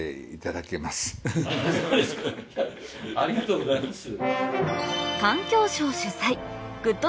ありがとうございます。